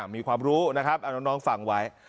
มีความรู้นะครับเอาน้องฟังไว้